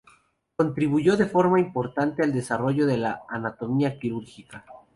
Contribuyó de forma importante al desarrollo de la anatomía quirúrgica.